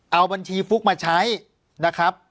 เอาบัญชีฟุ๊กมาใช้นะครับ